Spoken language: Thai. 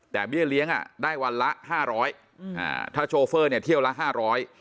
แต่เบี้ยเลี้ยงอ่ะได้วันละ๕๐๐บาทถ้าโชเฟอร์เนี่ยเที่ยวละ๕๐๐บาท